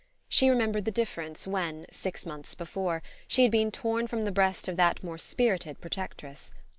She remembered the difference when, six months before, she had been torn from the breast of that more spirited protectress.